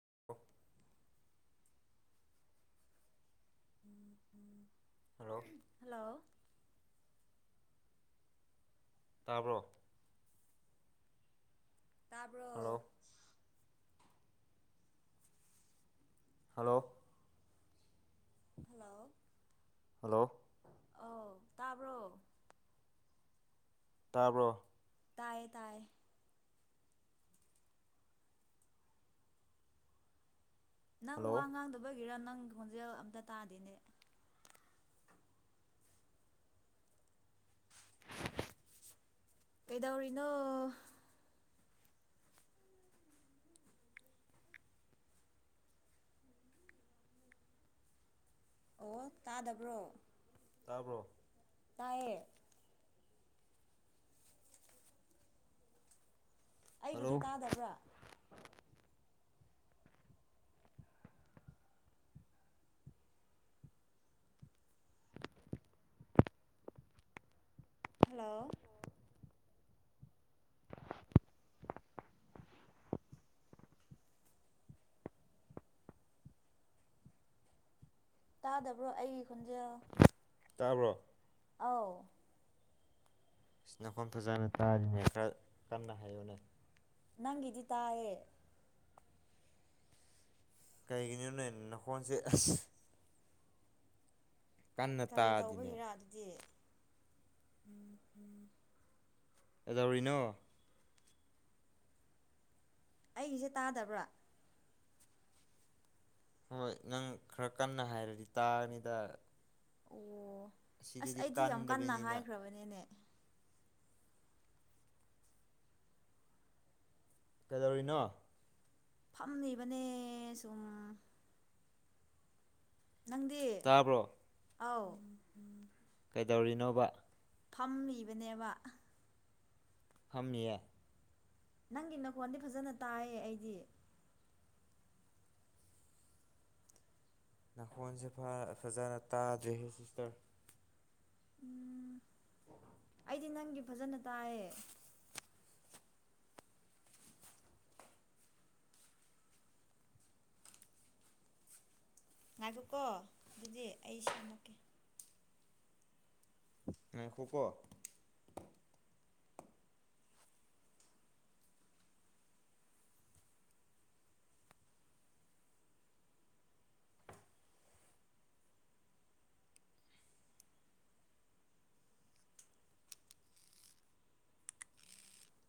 [unintelligible] Hello hello. ꯇꯥꯕ꯭ꯔꯣ꯫ ꯇꯥꯕ꯭ꯔꯣ꯫ Hello. Hello hello hello ꯑꯧ ꯇꯥꯕ꯭ꯔꯣ ꯇꯥꯕ꯭ꯔꯣ ꯇꯥꯏꯌꯦ ꯇꯥꯏꯌꯦ ꯅꯪ ꯍꯜꯂꯣ ꯋꯥ ꯉꯥꯡꯗꯕꯒꯤꯔ ꯅꯪ ꯈꯣꯟꯖꯦꯜ ꯑꯝꯇ ꯇꯥꯗꯦꯅꯦ ꯀꯩꯗꯧꯔꯤꯅꯣ ꯑꯣ ꯇꯥꯗꯕ꯭ꯔꯣ ꯇꯥꯕ꯭ꯔꯣ ꯇꯥꯏꯌꯦ ꯍꯜꯂꯣ ꯑꯩꯒꯤꯗꯤ ꯇꯥꯗꯕ꯭ꯔꯥ ꯍꯜꯂꯣ ꯇꯥꯗꯕ꯭ꯔꯣ ꯑꯩꯒꯤ ꯈꯣꯟꯖꯦꯜ ꯇꯥꯕ꯭ꯔꯣ ꯑꯥꯎ ꯑꯁ ꯅꯈꯣꯟ ꯐꯖꯅ ꯇꯥꯗꯦꯅꯦ ꯈꯔ ꯀꯟꯅ ꯍꯥꯏꯌꯨꯅꯦ ꯅꯪꯒꯤꯗꯤ ꯇꯥꯏꯌꯦ ꯀꯩꯒꯤꯅꯣ ꯅꯣꯏ ꯅꯈꯣꯟꯁꯦ ꯑꯁ ꯀꯟꯅ ꯀꯔꯤ ꯇꯥꯗꯤꯅꯦ ꯇꯧꯕꯒꯤꯔꯥ ꯑꯗꯨꯗꯤ ꯀꯩꯗꯧꯔꯤꯅꯣ ꯑꯩꯒꯤꯁꯦ ꯇꯥꯗꯕ꯭ꯔꯥ ꯍꯣꯏ ꯅꯪ ꯈꯔ ꯀꯟꯅ ꯍꯥꯏꯔꯗꯤ ꯇꯥꯅꯤꯗ ꯑꯣ ꯑꯁ ꯑꯩꯗꯤ ꯌꯥꯝ ꯀꯟꯅ ꯀꯟꯗꯕꯅꯤꯅ ꯍꯥꯏꯈ꯭ꯔꯕꯅꯤꯅꯦ ꯀꯩꯗꯧꯔꯤꯅꯣ ꯐꯝꯂꯤꯕꯅꯦ ꯁꯨꯝ ꯅꯪꯗꯤ ꯇꯥꯕ꯭ꯔꯣ ꯑꯥꯎ ꯀꯩꯗꯧꯔꯤꯅꯣꯕ ꯐꯝꯃꯤꯕꯅꯦꯕ ꯐꯝꯃꯤꯌꯦ ꯅꯪꯒꯤ ꯅꯈꯣꯟꯗꯤ ꯐꯖꯅ ꯇꯥꯏꯌꯦ ꯑꯩꯗꯤ ꯅꯥꯈꯣꯟꯁꯦ ꯐꯥ ꯐꯖꯅ ꯇꯥꯗ꯭ꯔꯦꯍꯦ ꯁꯤꯁꯇꯔ ꯎꯝ ꯑꯩꯗꯤ ꯅꯪꯒꯤ ꯐꯖꯅ ꯇꯥꯏꯌꯦ ꯉꯥꯏꯈꯣꯀꯣ ꯑꯗꯨꯗꯤ ꯑꯩ ꯁꯦꯝꯃꯛꯀꯦ ꯉꯥꯏꯈꯣꯀꯣ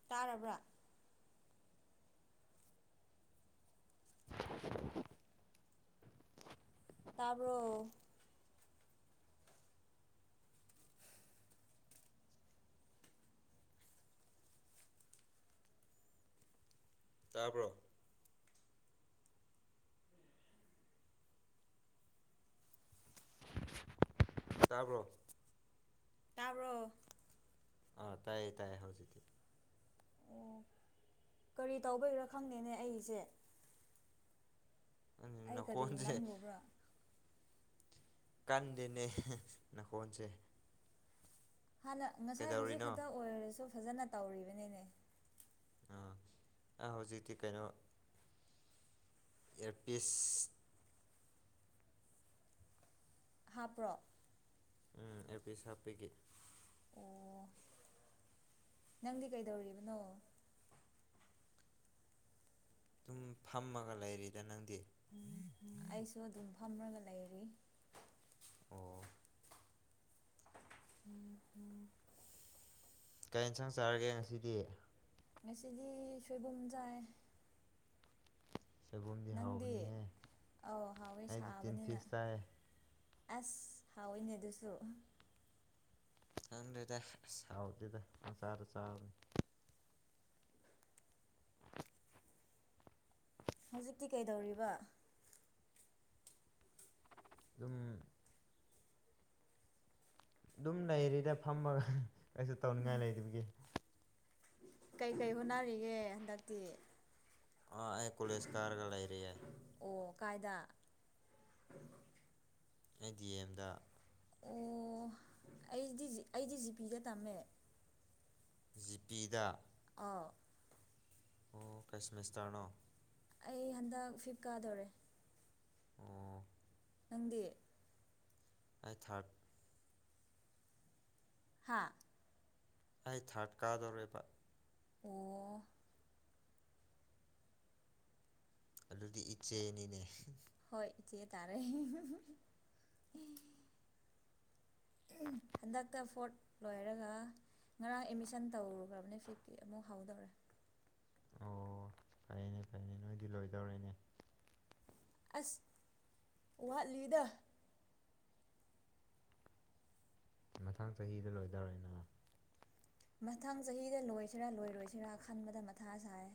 ꯇꯥꯔꯕ꯭ꯔꯥ ꯇꯥꯕ꯭ꯔꯣ ꯇꯥꯕ꯭ꯔꯣ ꯇꯥꯕ꯭ꯔꯣ ꯇꯕ꯭ꯔꯣ ꯑ ꯇꯥꯏꯌꯦ ꯇꯥꯏꯌꯦ ꯍꯧꯖꯤꯛꯇꯤ ꯑꯣ ꯀꯔꯤ ꯇꯧꯕꯩꯔꯥ ꯈꯪꯗꯦꯅꯦ ꯑꯩꯒꯤꯁꯦ ꯑꯩ ꯀꯔꯤ ꯅꯈꯣꯟꯁꯦ ꯅꯝꯂꯨꯕ꯭ꯔꯥ ꯀꯟꯗꯦꯅꯦ ꯅꯈꯣꯟꯁꯦ ꯍꯥꯟꯅ ꯉꯁꯥꯏ ꯍꯧꯖꯤꯛ ꯀꯩꯗꯧꯔꯤꯅꯣ ꯈꯛꯇ ꯑꯣꯏꯔꯁꯨ ꯐꯖꯅ ꯇꯧꯔꯤꯕꯅꯤꯅꯦ ꯑꯥ ꯑꯩ ꯍꯧꯖꯤꯛꯇꯤ ꯀꯩꯅꯣ ꯑꯦꯔꯄꯤꯁ ꯍꯥꯞꯄ꯭ꯔꯣ ꯎꯝ ꯑꯦꯄꯤꯁ ꯍꯥꯞꯄꯤꯒꯦ ꯑꯣ ꯅꯪꯗꯤ ꯀꯩꯗꯧꯔꯤꯕꯅꯣ ꯑꯗꯨꯝ ꯐꯝꯃꯒ ꯂꯩꯔꯤꯗ ꯅꯪꯗꯤ ꯑꯩꯁꯨ ꯑꯗꯨꯝ ꯐꯝꯃꯒ ꯂꯩꯔꯤ ꯑꯣ ꯎꯝ ꯎꯝ ꯀꯔꯤ ꯏꯟꯁꯪ ꯆꯥꯔꯒꯦ ꯉꯁꯤꯗꯤ ꯉꯁꯤꯗꯤ ꯁꯣꯏꯕꯨꯝ ꯆꯥꯏ ꯁꯣꯏꯕꯨꯝꯗꯤ ꯅꯪꯗꯤ ꯍꯥꯎꯕꯅꯤꯍꯦ ꯑꯧ ꯍꯥꯎꯋꯦ ꯑꯩꯗꯤ ꯇꯤꯟ ꯁꯥꯕꯅꯤꯅ ꯐꯤꯁ ꯆꯥꯏꯌꯦ ꯑꯁ ꯍꯥꯎꯋꯏꯅꯦ ꯑꯗꯨꯁꯨ ꯈꯪꯡꯟꯥꯗꯔꯦꯗ ꯑꯁꯥ ꯍꯧꯎꯇꯔꯦꯗ ꯆꯥꯥꯔꯣ ꯆꯥꯔꯣ ꯆꯥꯎꯅꯤ ꯍꯧꯖꯤꯛꯇꯤ ꯀꯩꯗꯧꯔꯤꯕ ꯑꯗꯨꯝ ꯑꯗꯨꯝ ꯂꯩꯔꯤꯗ ꯐꯝꯃꯒ ꯀꯩꯁꯨ ꯇꯧꯅꯤꯡꯉꯥꯏ ꯂꯩꯔꯤꯕꯒꯤ ꯀꯩꯀꯩ ꯍꯣꯠꯅꯔꯤꯒꯦ ꯍꯟꯗꯛꯇꯤ ꯑ ꯑꯩ ꯀꯣꯂꯦꯁꯀꯔꯒ ꯂꯥꯏꯔꯤꯌꯦ ꯑꯣ ꯀꯥꯏꯗ ꯑꯩ ꯗꯤ ꯑꯦꯝꯗ ꯑꯣ ꯑꯩꯗꯤ ꯑꯩꯗꯤ ꯖꯤꯄꯤꯗ ꯇꯝꯃꯦ ꯖꯤꯄꯤꯗ ꯑꯥ ꯑꯣ ꯀꯦꯁꯃꯤꯁꯇꯔꯅꯣ ꯑꯩ ꯍꯟꯗꯛ ꯐ꯭ꯂꯤꯞꯀꯥꯔꯠꯗꯧꯔꯦ ꯑꯣ ꯅꯪꯗꯤ ꯑꯩ ꯊꯥꯔꯠ ꯍꯥꯥ ꯑꯩ ꯊꯥꯔꯠ ꯀꯥꯗꯧꯔꯛꯕ ꯑꯣ ꯑꯗꯨꯗꯤ ꯏꯆꯦꯅꯤꯅꯦ ꯍꯣꯏ ꯏꯆꯦ ꯇꯥꯔꯦ ꯍꯟꯗꯛꯇ ꯐꯣꯔꯠ ꯂꯣꯏꯔꯒ ꯉꯔꯥꯡ ꯑꯦꯠꯃꯤꯁꯟ ꯇꯧꯔꯨꯈ꯭ꯔꯕꯅꯤ ꯐꯤꯛꯀꯤ ꯑꯃꯨꯛ ꯍꯧꯗꯧꯔꯦ ꯑꯣ ꯐꯩꯌꯦ ꯐꯩꯌꯦ ꯅꯣꯏꯗꯤ ꯂꯣꯏꯗꯧꯔꯦꯅꯦ ꯑꯁ ꯋꯥꯠꯂꯤꯗ ꯃꯊꯪ ꯆꯍꯤꯗ ꯂꯣꯏꯗꯥꯧꯔꯅ ꯃꯊꯪ ꯆꯍꯤꯗ ꯂꯣꯏꯁꯤꯔꯥ ꯂꯣꯏꯔꯣꯏꯁꯤꯔꯥ ꯈꯟꯕꯗ ꯃꯊꯥ ꯁꯥꯏ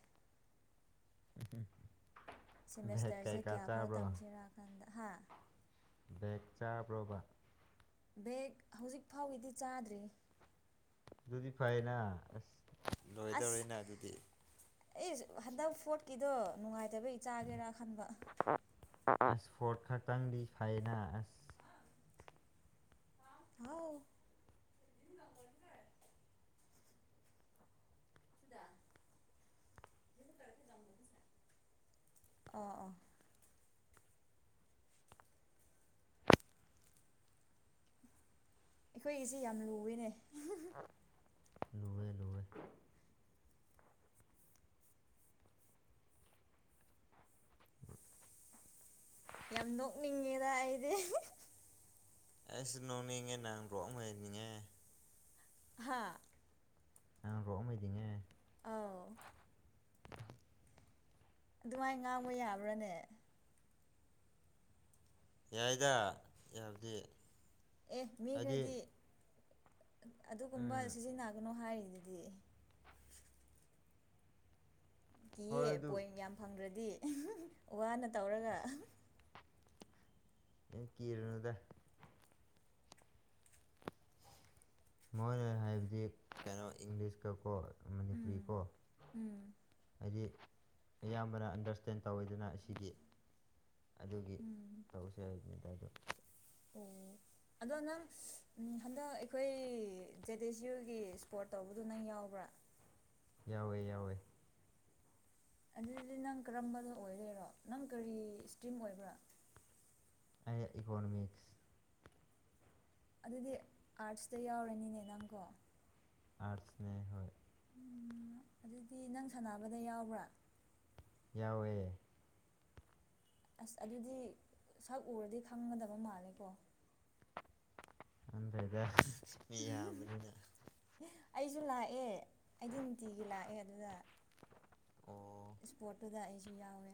ꯎꯝ ꯁꯤꯦꯃꯦꯁꯇꯔꯁꯦ ꯀꯌꯥꯐꯥꯎ ꯇꯝꯁꯤꯔꯀꯥꯟꯗ ꯍꯥ ꯕꯦꯛ ꯆꯥꯕ꯭ꯔ‌ꯣ ꯕꯒ ꯍꯧꯖꯤꯛ ꯐꯥꯎꯒꯤꯗꯤ ꯆꯥꯗ꯭ꯔꯤ ꯑꯗꯨꯗꯤ ꯐꯩꯅ ꯑꯁ ꯂꯣꯏꯗꯧꯔꯤꯅ ꯑꯗꯨꯗꯤ ꯑꯩꯁ ꯍꯟꯗꯛ ꯐꯣꯔꯠꯀꯤꯗꯣ ꯅꯨꯡꯉꯥꯏꯇꯕꯩ ꯆꯥꯒꯦꯔꯥ ꯈꯟꯕ ꯏꯁꯄꯣꯔꯠ ꯈꯛꯇꯪꯗꯤ ꯐꯩꯅ ꯑꯁ ꯍꯥꯎ [unintelligible] ꯑꯥ ꯑꯥ ꯑꯩꯈꯣꯏꯒꯤꯁꯦ ꯌꯥꯝ ꯂꯨꯋꯦꯅꯦ ꯂꯨꯋꯦ ꯂꯨꯋꯦ ꯌꯥꯝ ꯅꯣꯛꯅꯤꯡꯉꯦꯗ ꯑꯩꯗꯤ ꯑꯩꯁꯨ ꯅꯣꯛꯅꯤꯡꯉꯦ [unintelligible] ꯂꯩꯍꯟꯅꯤꯡꯉꯦ ꯍꯥꯥ [unintelligible] ꯑꯥꯎ ꯑꯗꯨꯃꯥꯏꯅ ꯉꯥꯡꯕ ꯌꯥꯕ꯭ꯔꯥꯅꯦ ꯌꯥꯏꯗ ꯌꯥꯕꯗꯤ ꯑꯦ ꯃꯤ ꯍꯥꯏꯗꯤ ꯈꯔꯗꯤ ꯑꯗꯨꯒꯨꯝꯕ ꯎꯝ ꯁꯤꯖꯤꯟꯅꯒꯅꯣ ꯍꯥꯏꯔꯤꯗꯨꯗꯤ ꯍꯣꯏ ꯀꯤꯌꯦ ꯑꯗꯨ ꯄꯣꯏꯟ ꯌꯥꯝ ꯐꯪꯗ꯭ꯔꯗꯤ ꯋꯥꯅ ꯇꯧꯔꯒ ꯑꯁ ꯀꯩꯝ ꯀꯤꯔꯨꯅꯨꯗ ꯃꯣꯏꯅ ꯍꯥꯏꯕꯗꯤ ꯀꯩꯅꯣ ꯏꯪꯂꯤꯁꯀꯀꯣ ꯎꯝ ꯃꯅꯤꯄꯨꯔꯤꯀꯣ ꯎꯝ ꯍꯥꯏꯗꯤ ꯑꯌꯥꯝꯕꯅ ꯑꯟꯗꯔꯁꯇꯦꯟ ꯇꯧꯋꯤꯗꯅ ꯑꯁꯤꯒꯤ ꯑꯗꯨꯒꯤ ꯎꯝ ꯇꯧꯁꯦ ꯍꯥꯏꯕꯅꯤꯗ ꯑꯗꯣ ꯑꯣ ꯑꯗꯣ ꯅꯪ ꯍꯟꯗꯛ ꯑꯩꯈꯣꯏ ꯖꯦꯗꯤꯁ ꯌꯨꯒꯤ ꯏꯁ꯭ꯄꯣꯔꯠ ꯇꯧꯕꯗꯨ ꯅꯪ ꯌꯥꯎꯕ꯭ꯔꯥ ꯌꯥꯎꯋꯦ ꯌꯥꯎꯋꯦ ꯑꯗꯨꯗꯤ ꯅꯪ ꯀꯔꯝꯕꯅ ꯑꯣꯏꯔꯦꯔꯣ ꯅꯪ ꯀꯔꯤ ꯏꯁꯇ꯭ꯔꯤꯝ ꯑꯣꯏꯕ꯭ꯔꯥ ꯑꯩ ꯏꯀꯣꯅꯣꯃꯤꯛꯁ ꯑꯗꯨꯗꯤ ꯑꯥꯔꯠꯁꯇ ꯌꯥꯎꯔꯅꯤꯅꯦ ꯅꯪꯀꯣ ꯑꯔꯠꯁꯅꯦ ꯍꯣꯏ ꯎꯝ ꯑꯗꯨꯗꯤ ꯅꯪ ꯁꯥꯟꯅꯕꯗ ꯌꯥꯎꯕ꯭ꯔꯥ ꯌꯥꯎꯋꯦ ꯑꯁ ꯑꯗꯨꯗꯤ ꯁꯛ ꯎꯔꯗꯤ ꯈꯪꯒꯗꯕ ꯃꯥꯜꯂꯦꯀꯣ ꯈꯪꯗꯦꯗ ꯃꯤ ꯌꯥꯕꯅꯤꯅ ꯑꯩꯁꯨ ꯂꯥꯛꯑꯦ ꯑꯩꯗꯤ ꯅꯨꯡꯇꯤꯒꯤ ꯂꯥꯛꯑꯦ ꯑꯗꯨꯗ ꯑꯣ ꯏꯁꯄꯣꯔꯠꯇꯨꯗ ꯑꯩꯁꯨ ꯌꯥꯎꯋꯦ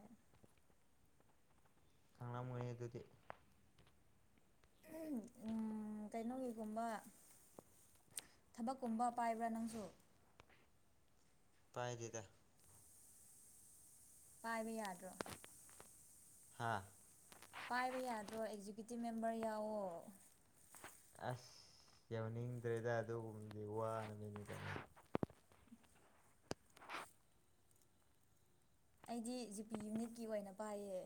ꯈꯪꯅ ꯃꯦ ꯑꯗꯨꯗꯤ ꯎꯝ ꯀꯩꯅꯣꯒꯤꯒꯨꯝꯕ ꯊꯕꯛꯀꯨꯝꯕ ꯄꯥꯏꯕ꯭ꯔꯥ ꯅꯪꯁꯨ ꯄꯥꯏꯗꯗꯦ ꯄꯥꯏꯕ ꯌꯥꯗ꯭ꯔꯣ ꯍꯥꯥ ꯄꯥꯏꯕ ꯌꯥꯗ꯭ꯔꯣ ꯑꯦꯛꯖꯤꯀ꯭ꯌꯨꯇꯤꯞ ꯃꯦꯝꯕꯔ ꯌꯥꯎꯋꯣ ꯑꯁ ꯌꯧꯅꯤꯡꯗ꯭ꯔꯦꯗ ꯑꯗꯨꯒꯨꯝꯕꯗꯤ ꯋꯥꯒꯅꯤꯅꯤꯗ ꯑꯩꯗꯤ ꯖꯤꯄꯤ ꯌꯨꯅꯤꯠꯀꯤ ꯑꯣꯏꯅ ꯄꯥꯏꯌꯦ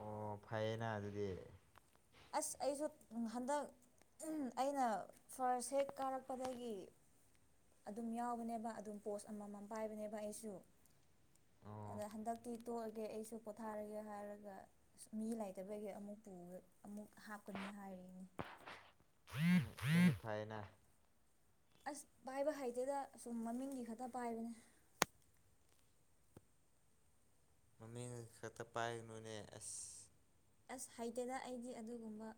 ꯑꯣ ꯐꯩꯌꯦꯅ ꯑꯗꯨꯗꯤ ꯑꯁ ꯑꯩꯁꯨ ꯍꯟꯗꯛ ꯑꯩꯅ ꯐꯥꯔꯁ ꯍꯦꯛ ꯀꯥꯔꯛꯄꯗꯒꯤ ꯑꯗꯨꯝ ꯌꯥꯎꯕꯅꯦꯕ ꯑꯗꯨꯝ ꯄꯣꯁ ꯑꯃꯃꯝ ꯄꯥꯏꯕꯅꯦꯕ ꯑꯩꯁꯨ ꯑꯣ ꯑꯗ ꯍꯟꯗꯛꯇꯤ ꯇꯣꯛꯑꯒꯦ ꯑꯩꯁꯨ ꯄꯣꯊꯥꯔꯒꯦ ꯍꯥꯏꯔꯒ ꯃꯤ ꯂꯩꯇꯕꯒꯤ ꯑꯃꯨꯛ ꯄꯨ ꯑꯃꯨꯛ ꯍꯥꯞ ꯍꯥꯏꯅ ꯑꯁ ꯄꯥꯏꯕ ꯍꯩꯇꯦꯗ ꯁꯨꯝ ꯃꯃꯤꯡꯒꯤ ꯈꯛꯇ ꯄꯥꯏꯕꯅꯦ ꯃꯃꯤꯡꯒꯤꯈꯛꯇ ꯄꯥꯏꯒꯅꯨꯅꯦ ꯑꯁ ꯑꯁ ꯍꯩꯇꯦꯗ ꯑꯩꯗꯤ ꯑꯗꯨꯒꯨꯝꯕ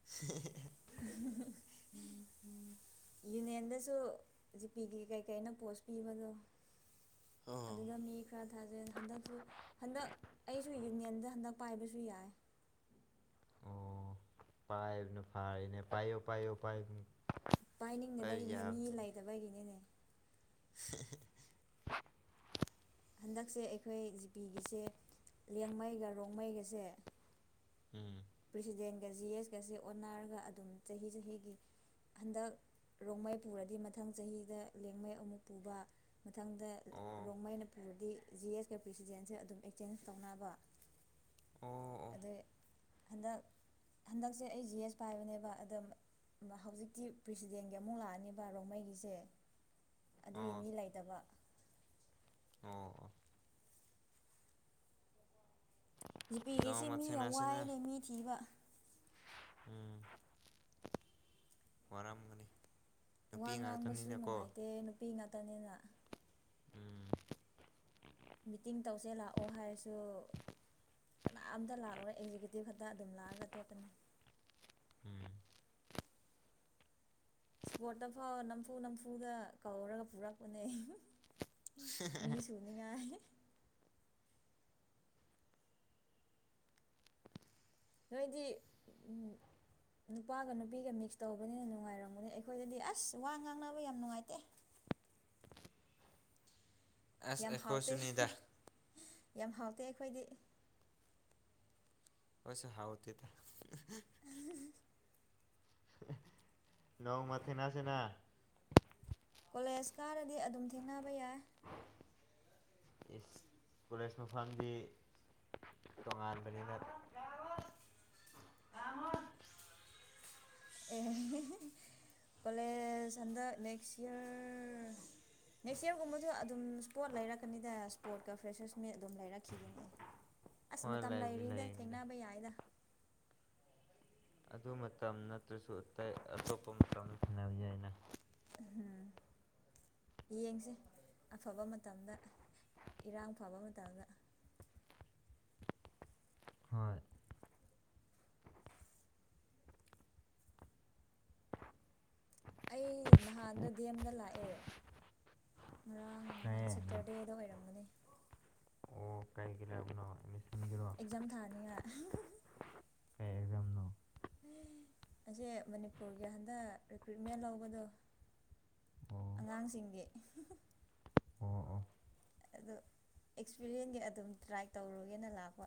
[unintelligible] ꯌꯨꯅꯤꯌꯟꯗꯁꯨ ꯖꯤꯄꯤꯒꯤ ꯀꯩꯀꯩꯅꯣ ꯄꯣꯁ ꯄꯤꯕꯗꯣ ꯑꯣ ꯑꯗꯨꯗ ꯃꯤ ꯈꯔ ꯊꯥꯖꯩ ꯍꯟꯗꯛꯁꯨ ꯍꯟꯗꯛ ꯑꯩꯁꯨ ꯌꯨꯅꯤꯌꯟꯗ ꯍꯟꯗꯛ ꯄꯥꯏꯕꯁꯨ ꯌꯥꯏ ꯑꯣ ꯄꯥꯏꯕꯅ ꯐꯔꯦꯅꯦ ꯄꯥꯏꯌꯣ ꯄꯥꯏꯌꯣ ꯄꯥꯏꯌꯣ ꯄꯥꯏꯅꯤꯡꯗꯕꯒꯤꯅꯦ ꯃꯤ ꯂꯩꯇꯕꯒꯤꯅꯦ ꯍꯤ ꯍꯤ [inaudible] ꯍꯟꯗꯛꯁꯦ ꯑꯩꯈꯣꯏ ꯖꯤꯄꯤꯒꯤꯁꯦ ꯂꯦꯡꯃꯩꯒ ꯔꯣꯡꯃꯩꯒꯁꯦ ꯎꯝ ꯄ꯭ꯔꯁꯤꯗꯦꯟꯒ ꯖꯤ ꯑꯦꯁꯀꯁꯦ ꯑꯣꯟꯅꯔꯒ ꯑꯗꯨꯝ ꯆꯍꯤ ꯆꯍꯤꯒꯤ ꯍꯟꯗꯛ ꯔꯣꯡꯃꯩ ꯄꯨꯔꯗꯤ ꯃꯊꯪ ꯆꯍꯤꯗ ꯂꯤꯌꯥꯡꯃꯩ ꯑꯃꯨꯛ ꯄꯨꯕ ꯃꯊꯪꯗ ꯑꯣ ꯔꯣꯡꯃꯩꯅ ꯄꯨꯔꯗꯤ ꯖꯤ ꯑꯦꯁ ꯀꯦ ꯄꯔꯤꯁꯤꯗꯦꯟꯁꯦ ꯑꯗꯨꯝ ꯑꯦꯛꯆꯦꯟꯖ ꯇꯧꯅꯕ ꯑꯣ ꯑꯣ ꯑꯗꯨ ꯍꯟꯗꯛ ꯍꯟꯗꯛꯁꯦ ꯑꯩ ꯖꯤ ꯑꯦꯁ ꯄꯥꯏꯕꯅꯦꯕ ꯑꯗꯣ ꯍꯧꯖꯤꯛꯇꯤ ꯄ꯭ꯔꯦꯁꯤꯗꯦꯟꯒꯤ ꯑꯃꯨꯛ ꯂꯥꯛꯑꯅꯦꯕ ꯔꯣꯡꯃꯩꯒꯤꯁꯦ ꯑꯗꯨꯒꯤ ꯃꯤ ꯂꯩꯇꯕ ꯑꯣ ꯑꯣ ꯖꯤꯄꯤꯒꯤꯁꯦ ꯅꯣꯡꯃ ꯃꯤ ꯌꯥꯝ ꯊꯦꯡꯅꯁꯤꯅ ꯋꯥꯏꯅꯦ ꯃꯤ ꯊꯤꯕ ꯎꯝ ꯋꯥꯔꯝꯒꯅꯤ ꯋꯥ ꯅꯨꯄꯤ ꯉꯥꯡꯕꯁꯨ ꯉꯥꯛꯇꯅꯤꯅꯀꯣ ꯅꯨꯡꯉꯥꯏꯇꯦ ꯅꯨꯄꯤ ꯉꯥꯛꯇꯅꯤꯅ ꯎꯝ ꯃꯤꯇꯤꯡ ꯇꯧꯁꯦ ꯂꯥꯛꯑꯣ ꯍꯥꯏꯔꯁꯨ ꯀꯅꯥꯝꯇ ꯂꯥꯛꯂꯔꯣꯏ ꯑꯦꯛꯖꯤꯀ꯭ꯌꯨꯇꯤꯕ ꯈꯛꯇ ꯑꯗꯨꯝ ꯂꯥꯛꯑꯒ ꯇꯣꯛꯀꯥꯅꯤ [inaudible] ꯏꯁꯄꯣꯔꯠꯇ ꯐꯥꯎ ꯅꯝꯐꯨ ꯅꯝꯐꯨꯒ ꯀꯧꯔꯒ ꯄꯨꯔꯛꯄꯅꯦ ꯃꯤ ꯁꯨꯅꯤꯡꯉꯥꯏ ꯅꯣꯏꯗꯤ ꯎꯝ ꯅꯣꯏꯗꯤ ꯅꯨꯄꯥꯒ ꯅꯨꯄꯤꯒ ꯃꯤꯛꯁ ꯇꯧꯕꯅꯤꯅ ꯅꯨꯡꯉꯥꯏꯔꯝꯒꯅꯦ ꯑꯩꯈꯣꯏꯗꯗꯤ ꯑꯁ ꯋꯥ ꯉꯥꯡꯅꯕ ꯌꯥꯝ ꯅꯨꯡꯉꯥꯏꯇꯦ ꯑꯁ ꯌꯥꯝ ꯍꯥꯎꯇꯦ ꯑꯩꯈꯣꯏꯁꯨꯅꯤꯗ ꯌꯥꯝ ꯍꯥꯎꯇꯦ ꯑꯩꯈꯣꯏꯗꯤ ꯑꯩꯈꯣꯢꯁꯨ ꯍꯥꯎꯇꯦꯗ ꯅꯣꯡꯃꯥ ꯊꯦꯡꯅꯁꯤꯅ ꯀꯣꯂꯦꯖ ꯀꯥꯔꯗꯤ ꯑꯗꯨꯝ ꯊꯦꯡꯅꯕ ꯌꯥꯏ [inaudible] ꯀꯣꯂꯦꯖ ꯃꯐꯝꯗꯤ ꯇꯣꯉꯥꯟꯕꯅꯤꯅ ꯑꯦ ꯀꯂꯦꯖ ꯍꯥꯟꯗꯥꯛ ꯅꯦꯛꯁ ꯌꯤꯔ ꯅꯦꯛꯁ ꯌꯔꯒꯨꯝꯕꯗ ꯑꯗꯨꯝ ꯁ꯭ꯄꯣꯠ ꯂꯩꯔꯛꯀꯅꯤꯗ ꯁ꯭ꯄꯣꯠꯀ ꯐ꯭ꯔꯦꯁꯔꯁ ꯃꯤꯠ ꯑꯗꯨꯝ ꯂꯩꯔꯛꯈꯤꯒꯅꯤ ꯑꯁ ꯍꯣꯏ ꯃꯇꯝ ꯂꯩꯕꯗꯤ ꯂꯩꯔꯤꯗ ꯂꯩꯅꯤꯗ ꯊꯦꯡꯅꯕ ꯌꯥꯏꯗ ꯑꯗꯨ ꯃꯇꯝ ꯅꯠꯇ꯭ꯔꯁꯨ ꯑꯇꯩ ꯑꯇꯣꯞꯄ ꯃꯇꯝ ꯊꯦꯡꯅꯕ ꯌꯥꯏꯗ ꯎꯝ [inaudible] ꯌꯦꯡꯁꯦ ꯑꯐꯕ ꯃꯇꯝꯗ ꯏꯔꯥꯡ ꯐꯕ ꯃꯇꯝꯗ ꯍꯣꯏ ꯑꯩ ꯅꯍꯥꯟꯗ ꯗꯦꯝꯗ ꯂꯥꯛꯑꯦ ꯉꯔꯥꯡ ꯅꯍꯥꯟ ꯇꯥꯏꯌꯦ ꯁꯦꯇꯔꯗꯦꯗ ꯑꯣꯏꯔꯝꯒꯅꯤ ꯑꯣ ꯀꯩꯒꯤ [unintelligible] ꯃꯤꯁꯟꯒꯤꯔꯣ ꯑꯦꯛꯖꯥꯝ ꯊꯥꯅꯤꯉꯥꯏ ꯀꯩ ꯑꯦꯛꯖꯥꯝꯅꯣ ꯑꯁꯦ ꯃꯅꯤꯄꯨꯔꯒꯤ ꯍꯟꯗꯛ ꯔꯤꯀ꯭ꯔꯨꯏꯠꯃꯦꯟ ꯂꯧꯕꯗꯣ ꯑꯣ ꯑꯉꯥꯡꯁꯤꯡꯒꯤ ꯑꯣ ꯑꯣ ꯑꯗꯨ ꯑꯦꯛꯁꯄꯤꯔꯦꯟꯒꯤ ꯑꯗꯨꯝ ꯇ꯭ꯔꯥꯏ ꯇꯧꯔꯨꯒꯦꯅ ꯂꯥꯛꯄ